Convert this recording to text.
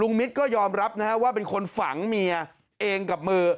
มิตรก็ยอมรับนะฮะว่าเป็นคนฝังเมียเองกับมือ